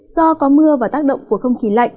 do có mưa và tác động của không khí lạnh